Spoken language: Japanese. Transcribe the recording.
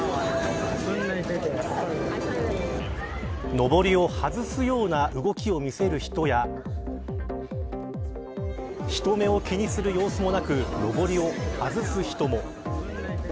のぼりを外すような動きを見せる人や人目を気にする様子もなくのぼりを外す人も。